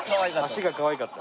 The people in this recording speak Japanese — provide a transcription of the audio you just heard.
足がかわいかった。